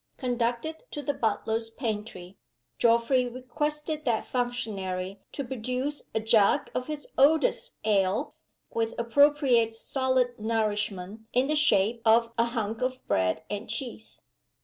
Conducted to the butler's pantry, Geoffrey requested that functionary to produce a jug of his oldest ale, with appropriate solid nourishment in the shape of "a hunk of bread and cheese."